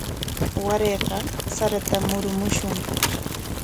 Warayqa saratam murumushun.